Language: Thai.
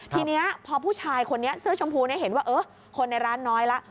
ทีนี้พอผู้ชายคนนี้เสื้อชมพูเห็นว่าคนในร้านน้อยแล้ว